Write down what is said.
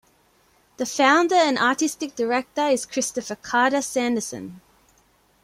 The founder and artistic director is Christopher Carter Sanderson.